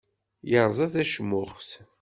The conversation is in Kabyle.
Yerẓa tacmuxt.